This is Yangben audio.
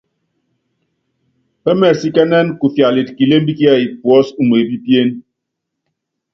Pɛ́mɛsíkɛ́nɛ́nɛ kufialitɛ kilémbi kíɛ́yí puɔ́si umeépípíéne.